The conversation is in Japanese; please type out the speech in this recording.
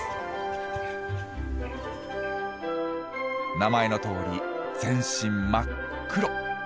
名前のとおり全身真っ黒。